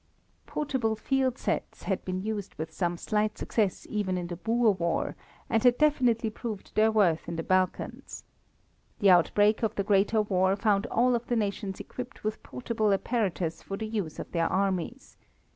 Portable field sets had been used with some slight success even in the Boer War, and had definitely proved their worth in the Balkans. The outbreak of the greater war found all of the nations equipped with portable apparatus for the use of their armies.